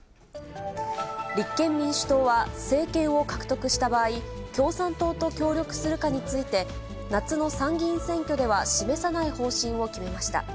立憲民主党は政権を獲得した場合、共産党と協力するかについて、夏の参議院選挙では示さない方針を決めました。